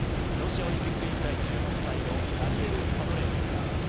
ロシアオリンピック委員会１８歳のダニル・サドレーエフ。